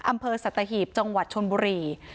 อำเภอร์ซัตเทฮีบจังหวัดชนบุรี